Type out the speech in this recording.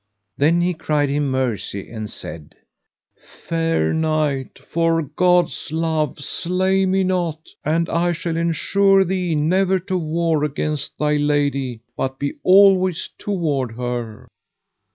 Then he cried him mercy and said: Fair knight, for God's love slay me not, and I shall ensure thee never to war against thy lady, but be alway toward her.